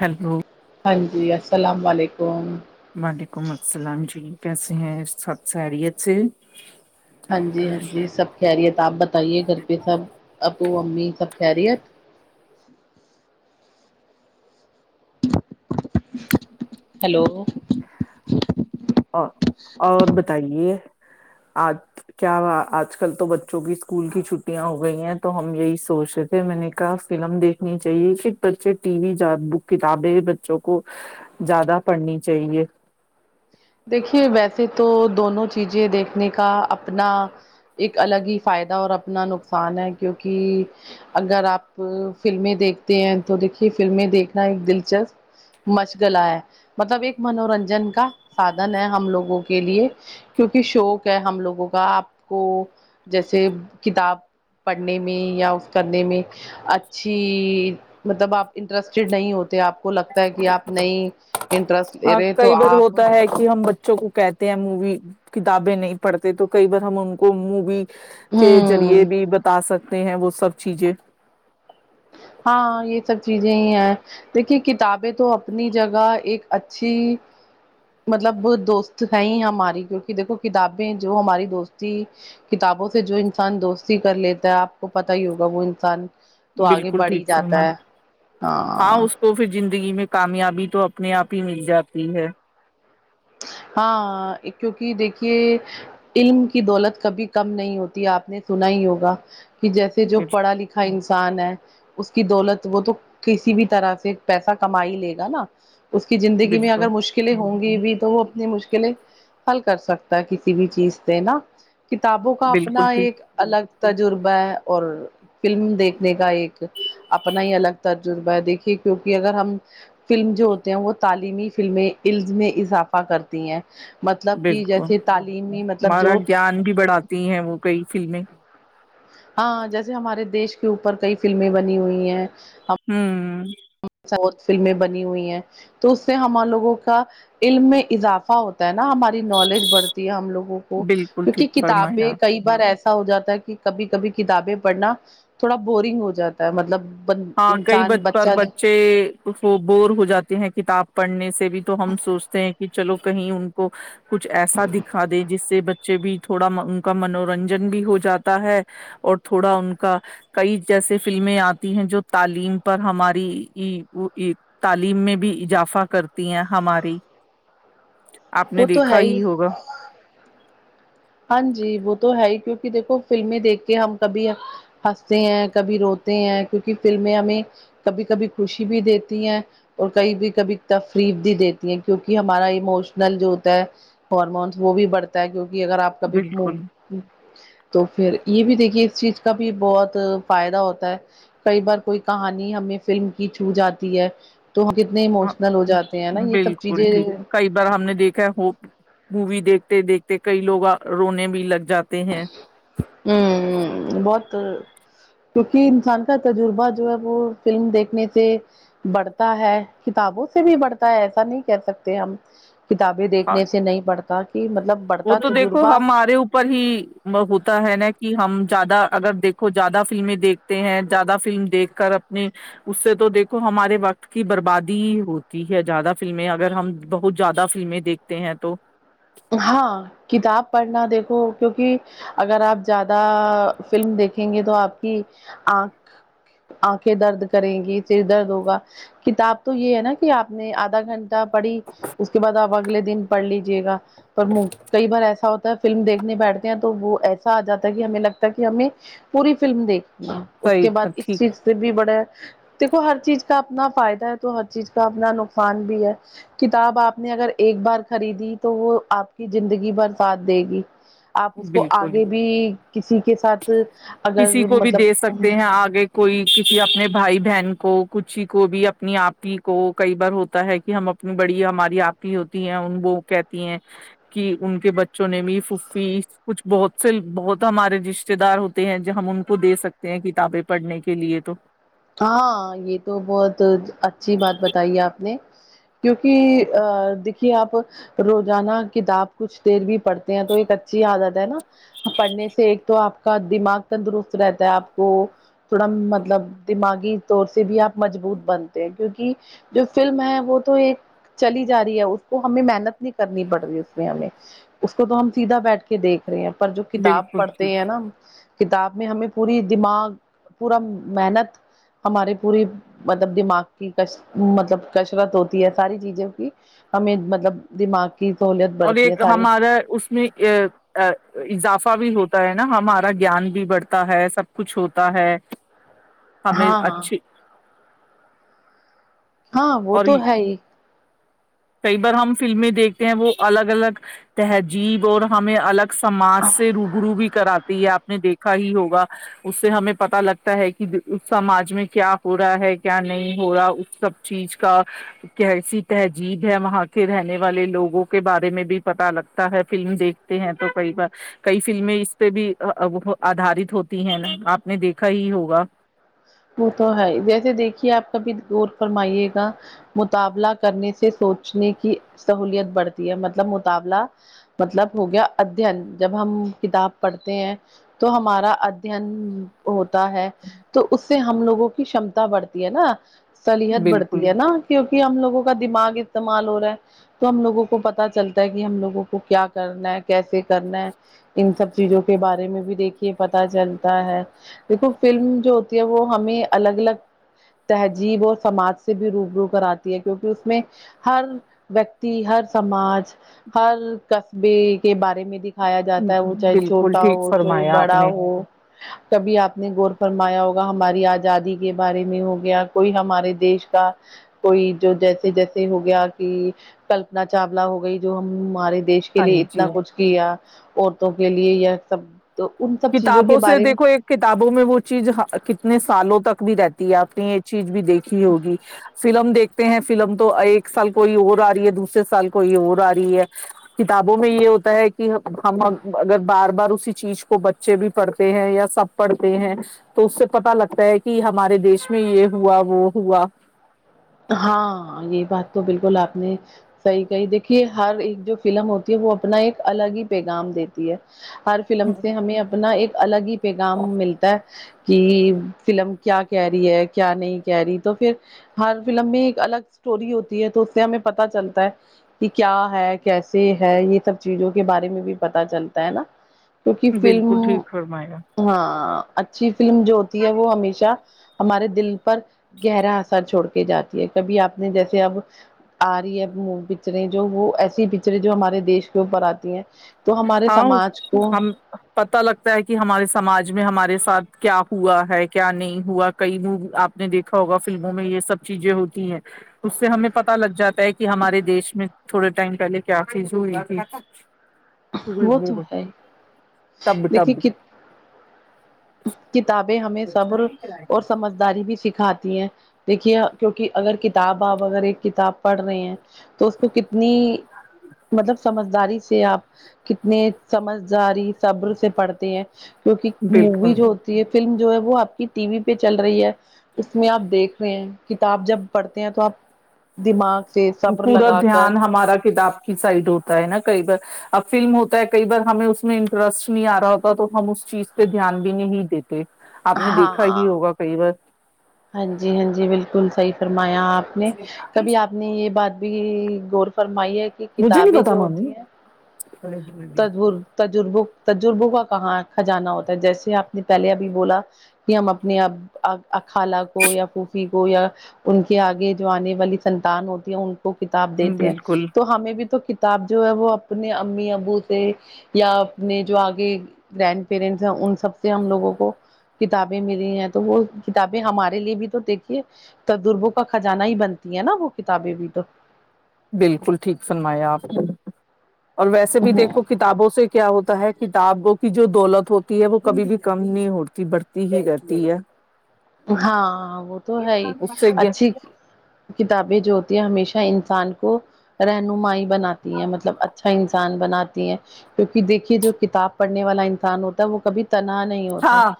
hello جی السلام علیکم وعلیکم السلام جی کیسے ہیں ست سیریت سے ہاں جی ہاں جی سب کہہری ہے تھا آپ بتائیے گھر پہ سب ابو امی سب خیریت ہیلو اور اور بتائیے آج کیا آج کل تو بچوں کی اسکول کی چھٹیاں ہو گئی ہیں تو ہم یہی سوچ رہے تھے میں نے کہا فلم دیکھنی چاہیے کہ بچے ٹی وی بک کتابیں بچوں کو زیادہ پڑھنی چاہے دیکھیے ویسے تو دونوں چیزیں دیکھنے کا اپنا ایک الگ ہی فائدہ اور اپنا نقصان ہے کیوںکہ اگر آپ فلمیں دیکھتے ہیں تو دیکھیے فلمیں دیکھنا ایک دلچسپ مشغلہ ہے مطلب ایک منورنجن کا سادن ہے ہم لوگوں کے لیے کیونکہ شوق ہے ہم لوگوں کا آپ کو جیسے کتاب پڑھنے میں یا اس کرنے میں اچھی مطلب آپ انٹرسٹیڈ نہیں ہوتے آپ کو لگتا ہے کہ آپ نئی انٹرسٹ لے ہاں رہے تو کئی بار آپ ہوتا ہے کہ ہم بچوں کو کہتے مووی کتابیں نہیں پڑھتے تو کئی بار ہم ان کو مووی کے ہوں ذریعے بھی بتا سکتے ہیں وہ سب چیزیں ہاں یہ سب چیزیں ہی ہیں دیکھیے کتابیں تو اپنی جگہ ایک اچھی مطلب دوست ہے ہی ہماری کیونکہ دیکھو کتابیں جو ہماری دوستی کتابوں سے جو انسان دوستی کر لیتا ہے آپ کو پتا ہی ہوگا وہ انسان تو آگے بالکل بڑھ ہی ٹھیک جاتا فرنا ہے ہاں اس کو پھر جن زندگی میں کامیابی تو اپنے آپ ہی مل جاتی ہے ہاں کیونکہ دیکھیے علم کی دولت کبھی کم نہیں ہوتی ہے آپ نے سنا ہی ہوگا کہ جیسے جو پڑھا لکھا انسان ہے اس کی دولت وہ تو کسی بھی طرح سے پیسہ کما ہی لے گا نا اس کی زندگی میں بالکل اگر مشکلیں ہوں گی کیو تو وہ اپنی مشکلیں حل کر سکتا ہے کسی بھی چیز سے نا کتابوں کا بالکل اپنا ٹھیک ایک الگ تجربہ ہے اور فلم دیکھنے کا ایک اپنا ہی الگ تجربہ ہے دیکھیے کیونکہ اگر ہم فلم جو ہوتے ہیں وہ تعلیمی فلمیں عز میں اضافہ فا کرتی ہیں مطلب کہ بالکل جیسے تعلیمی مطلب ہمارا جو گیان بھی بڑھاتی ہیں وہ کئی فلمیں ہاں جیسے ہمارے دیش کے اوپر کئی فلمیں بنی ہوئی ہیں ہوں ساتھ فلمیں بنی ہوئی ہیں تو اس سے ہمار لوگوں کا علم میں اضافہ ہوتا نا ہماری نالج بڑھتی ہے ہم لوگوں کو بالکل کیونکہ ٹھیک فرمایا کتابیں کئی بار ایسی ہو جاتا ہے کہ کبھی کبھی کتابیں پڑھنا تھوڑا بورنگ ہو جاتا ہے مطلب ہاں کئی انسان بچ بچے کچ بور ہو جاتے ہیں کتاب پڑھنے سے بھی اب تو ہم سوچتے ہیں کہ چلو کہیں ان کو کچھ ایسا دکھا دے جس سے بچے بھی تھوڑا ان کا منورنجن بھی ہو جاتا ہے اور تھوڑا ان کا کئی جیسے فلمیں آتی ہیں جو تعلیم پر ہماری تعلیم میں بھی اضافہ کرتی ہیں ہماری آپ نے وہ تو دیکھا ہے ہی ہوگا ہاں جی وہ تو ہے ہی کیونکہ دیکھو فلمیں دیکھ کے ہم کبھی ہنستے ہیں کبھی روتے ہیں کیونکہ فلمیں ہمیں کبھی کبھی خوشی بھی دیتی ہیں اور کھی بھی کبھی تفریف بھی دیتی ہیں کیونک ہمارا ایموشنل جو ہوتا ہے ہارمونس وہ بھی بڑھتا ہے کیوںکہ اگر کبھی بالکل تو پھر یہ بھی دیکھیے اس چیز کا بھی بہت فائدہ ہوتا ہے کئی بار کوئی کہانی ہمیں فلم کی چھو جاتی ہے تو ہم کتنے ہ ایموشنل ہو جاتے ہیں نا یہ سب بالکل چیزیں ٹھیک کئی بار ہم نے دیکھا ہے ہو مووی دیکھ تے دیکھتے کئی لوگ رونے بھی لگ جاتے ہیں ہ بہت کیونکہ انسان کا تجربہ جو ہے وہ فلم دیکھنے سے بڑھتا ہے کتابوں سے بھی بڑھتا ہے ایسا نہیں کہ سکتے ہم کتابیں دیکھنے سے نہیں پڑھتا کہ مطلب وہ بڑھتا تو دیکھو تجربہ ہمارے اوپر ہی ہوتا ہے نا کہ ہم زیادہ اگر دیکھو زیادہ فلمیں دیکھتے ہیں زیادہ فلم دیکھ کر اپنے اس سے تو دیکھو ہمارے وقت کی بربادی ہی ہوتی ہے زیادہ فلمیں اگر ہم بہت زیادہ فلمیں دیکھتے ہیں تو ہاں کتاب پڑھنا دیکھو کیونکہ اگر آپ زیادہ فلم دیکھیں گے تو آپ کی آنکھ آنکھیں درد کریں گی سر درد ہوگا کتاب تو یہ ہے نا کہ آپ نے آدھا گھنٹہ پڑی اس کے بعد آپگ اگلے دن پڑھ لیجیے گا پر کئی بار ایسا ہوتا فلم دیکھنے بیٹھتے ہیں تو وہ ایسا آ جاتا ہے کہ ہمیں لگتا ہے کہ ہمیں پوری فلم دیکھ اس کے بعد صحیح اس ٹھیک چیز سے بھی بڑا دیکھو ہر چیز کا اپنا فائدہ ہے تو ہر چیز کا اپنا نقصان بھی ہے کتاب آپ نے اگر ایک بار خریدی تو وہ آپ کی زندگی بر سھ دے گی آپ اس کو بالکل آگے بھی کسی کے ساتھ کسی اگر کو بھی دیکھ مطلب سکتے ہیں آگے کوئی کسی اپنے بھائی بہن کو کچ ہی کو بھی اپنی آپ ہی کو کئی بار ہوتا ہے کہ ہم اپنی بڑی ہماری آپ ہی ہوتی ہیں ان وہ کہتی ہیں کہ ان کے بچوں نے بھی ففی کچھ بہت سے بہت ہمارے جس رشتے دار ہوتے ہیں جو ہم ان کو دے سکتے ہیں کتابیں پڑھنے کے لیے تو ہاں یہ تو بہت اچھی بات بتائی ہے آپ نے کیونکہ ا دیک کہ آپ روزانہ کتاب کچھ دیر بھی پڑھتے ہیں تو ایک اچھی عادت ہے نا پڑھنے سے ایک تو آپ کا دماغ تندرست رہتا ہے آپ کو تھوڑا مطلب دماغی طور سے بھی آپ مضبوط بنتے ہیں کیوںکہ جو فلم ہے وہ تو ایک چلی جا رہی ہے اس کو ہمیں محنت نہیں کرنی پڑ رہی اس میں ہمیں اس کو تو ہم سیدھا بیٹھ کے دیکھ رہ ہیں پر جو کتاب بالکل پڑھتے ٹھیک ہیں نا کتاب میں ہمیں پوری دماغ پورا محنت ہمارے پوری مطلب دماغ کی ک مطلب کشرت ہوتی ہے ساری چیزوں کی ہمیں مطلب دماغ کی سہولت اور بڑھتی ہے ایک ساری ہمارا اس میں اضافہ بھی ہوتا ہے نا ہمارا گیان بھی بڑھتا ہے سب کچھ ہوتا ہے ہمیں ہاں ہاں اچھی ہاں وہ اور تو ہے ہی کئی بار ہم فلمیں دیکھتے ہیں وہ الگ الگ تہذیب اور ہمیں الگ سماج سے روب رو بھی کراتی ہے آپ دیکھا ہی ہوگا اس سے ہمیں پت لگتا ہے کہ سماج میں کیا ہو رہا ہے کیا نہیں ہو رہا اس سب چیز کا کیسی ت جیب ہے وہاں کے رہنے والے لوگوں کے بارے میں بھی پتا لگتا ہے فلم دیکھتے ہیں تو کئی بار کئی فلمیں اس پہ بھی آدارت ہوتی ہیں نا آپ نے دیکھا ہی ہوگا وہ تو ہے جیسے دیکھیے آپ کا بھی غور فرمائیے گا مطابلہ کرنے سے سوچنے کی سہولت بڑھتی ہے مطلب مطابلہ مطلب ہو گیا ادھین جب ہم کتاب پڑھتے ہیں تو ہمارا ادھین ہو ہے تو اس سے ہم لوگوں کی شمتا بڑھتی ہے نا سلیحت بالکل بڑھتی ہے نا کیونکہ ہم لوگوں کا دماغ استعمال ہو رہا ہے تو ہم لوگوں کو پتا چلتا ہے کہ ہم لوگوں کو کیا کرنا ہے کیسے کرنا ہے ان سب چیزوں کے بارے میں بھی دیکھیے پتا چلتا ہے دیکھو فلم جو وہ ہمیں الگ الگ تہذیب اور سماج سے بھی روب رو کر آتی ہے کیونکہ اس میں ہر ویکتی ہر سماج ہر قصبے کے بارے میں د کھایا جاتا ہے وہ چاہے بالکل چھوٹا ٹھیک ہو چاہ فرمایا آپ بڑا نے ہو کبھی آپ نے گور فرمایا ہماری آزادی کے بارے میں ہو گیا کوئی ہمارے دیش کا کوئی جو جیسے جیسے ہو گیا کہ کلپنا چاولہ ہو گئی جو ہم ہمارے دیش کے ہاں لیے جی اتنا کچھ کیا عورتوں کے لیے یہ سب تو ان سب چیزوں کے کتابوں سے بارے میں دیکھو ایک کتابوں میں وہ چیز کتنے سالوں تک بھی رہتی ہے آپ نے یہ چیز بھی دیکھی ہوگی فلم دیکھتے ہیں فلم تو ایک سال کوئی اور آ رہی ہے دوسرے سال کوئی اور آ رہی ہے کتابوں میں یہ ہوتا ہے کہ ہم اگر بار بار اسی چیز کو بچ بچے بھی پڑھتے ہیں یا سب پڑھتے ہیں تو اس سے پتا لگتا ہے کہ ہمارے دیش میں یہ ہوا وہ ہوا ہاں یہ بات تو بالکل آپ نے صحیح کہی دیکھیے ہر ایک جو فلم ہوتی ہے وہ اپنا ایک الگ ہی پیغام دیتی ہے ہر فلم سے ہمیں اپنا ایک الگ ہی پ کام ملتا ہے کہ فلم کیا کہہ رہی ہے کیا نہیں کہہ رہی تو پھر ہر فلم میں ایک الگ اسٹوری ہوتی ہے تو اس سے ہمیں پت چلتا ہے کہ کیا ہے کیسے ہے یہ سب چیزوں کے بارے میں بھی پتا چلتا ہے نا کیونکہ فلم بالکل ٹھیک فرمایا ہاں اچھی فلم جو ہوتی ہے وہ ہمیشہ ہمارے دل پر گہرا اثر چھوڑ جاتی ہے کبھی آپ نے جیسے اب آ رہی ہے پکچریں جو وہ ایسی پکچریں جو ہمارے دیش کے اوپر آتی ہیں تو ہمارے ہاں سماج کو ہم پتا لگتا ہے کہ ہمارے سماج میں ہمارے ساتھ کیا ہوا ہے کیا نہیں ہوا کئی م آپ نے دیکھا ہوگا فلموں میں یہ سب چیزیں ہوتی ہیں اس سے ہمیں پت لگ جاتا ہے کہ ہمارے دیش میں تھوڑے ٹائم پہلے کیا چیز ہوئی تھی وہ تو ہے ٹب دیکھیے ٹب ک کتابیں سبر اور سمجھداری بھی سیکھ کھاتی ہے دیکھیے کیونکہ اگر کتاب آپ اگر ایک کتاب پڑھ رہے ہیں تو اس کو کتنی مطلب سمجھداری سے آپ کتنے سمجداری صبر سے پڑھتے ہیں مووی بالکل جو ہوتی ہے فلم جو ہے وہ آپ کی ٹی وی پہ چل رہی ہے اس میں آپ دیکھ رہے ہیں کتاب جب پڑھتے ہیں تو آپ دماغ سے صبر پورا لگا کر دھیان ہمارا کتاب کی سائڈ ہوتا ہے نا کئی بار اب فلم ہوتا ہے کئی بار ہمیں اس میں انٹرسٹ نہیں آ رہا ہوتا تو ہم اس چیز پہ دھیان بھی نہیں دیتے آپ نے ہاں دیکھا ہی ہوگا کئی بار ہاں جی ہاں جی بالکل سی فرمایا آپ نے کبھی آپ نے یہ بات بھی گور فر م کی مجھے نہیں کتابیں پتا جو ہوتی ہیں ممی تج تجرب تجربوں کا کہاں کھ جانا ہوتا ہے جیسے آپ نے پہلے ابھی بولا کہ ہم اپنے اب اکھالہ کو یا پفی یا ان کے آگے جو آنے والی سنتان ہوتی ہے کتاب دیتے ہیں بالکل تو ہمیں بھی تو کتاب جو ہے وہ اپنے امی ابو سے یا اپنے جو آگے گرنڈ پیرنٹس ہیں ان سب سے ہم لوگوں کو کتابیں ملی ہیں تو وہ کتابیں ہمارے لیے بھی تو دیکھیے تجربوں کا خزانہ ہی بنتی ہے نا وہ کتابیں بھی تو بالکل ٹھیک فرمایا آپ اور ویسے بھی دیکھو کتابوں سے کیا ہوتا ہے کتابوں کی جو دولت ہوتی ہے وہ کبھی بھی کم نہیں ہوڑتی بڑھتی ہی رہتی ہے ہاں وہ تو ہے ہی اس سے اچھی کتابیں جو ہوتی ہیں ہمیشہ انسان کو رہنمائی بھی بناتی ہیں مطلب اچھا انسان بناتی ہیں کیونکہ دیکھیے جو کتاب پڑھنے والا انسان ہوتا ہے وہ کبھی تنا نہیں ہوتا ہاں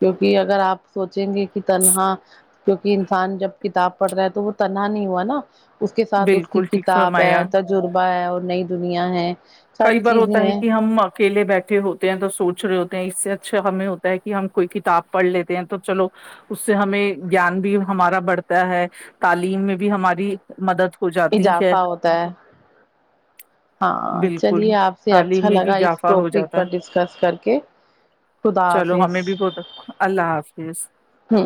کیونکہ اگر آپ سوچیں گے کہ تنہا کیکہ انسان جب کتاب پڑھ رہا ہے تو وہ تنہا نہیں ہوا نا اس کے ساتھ اس کی بالکل ٹھیک کتابیں فرمایا تجربے اور نئی دنیا ہے کئی ساری بار چیزیں ہوتا ہے ہیں کہ ہم اکیلے بیٹھے ہوتے ہیں تو سوچ رہے ہوتے اس سے اچھا ہمیں ہوتا ہے کہ ہم کوئی کتاب پڑھ لیتے ہیں تو چلو اس سے ہمیں گان بھی ہمارا بڑھتا ہے تعلیم میں بھی ہماری مدد ہو جاتی اضافہ ہے ہوتا ہے ہاں ہ بالکل چلیے آپ سے تعلیم اچھا میں بھی لگا اس اضافہ ہو ٹاپک جاتا پر ہے ڈسکس کر کے خدا چلو حافظ ہمیں بھی بہت اللہ حافظ ہ